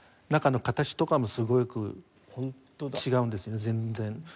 中の形とかもすごく違うんですよね全然。